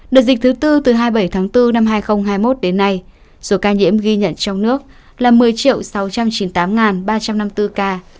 đợt dịch thứ tư từ hai mươi bảy tháng bốn năm hai nghìn hai mươi một đến nay số ca nhiễm ghi nhận trong nước là một mươi sáu trăm chín mươi tám ba trăm năm mươi bốn ca